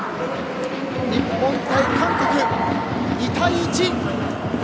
日本対韓国、２対１。